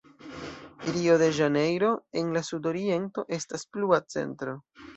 Rio-de-Ĵanejro en la sudoriento estas plua centro.